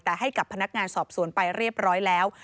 แต่ให้กับพนักงานสอบสวนไปเรียบร้อยแล้ว